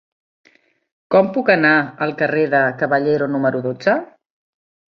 Com puc anar al carrer de Caballero número dotze?